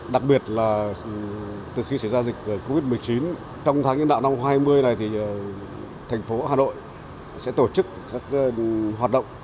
đặc biệt là từ khi xảy ra dịch covid một mươi chín trong tháng nhân đạo năm hai nghìn này thì thành phố hà nội sẽ tổ chức các hoạt động